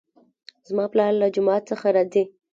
زما پلار له جومات څخه راځي